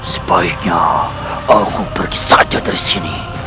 sebaiknya aku pergi saja dari sini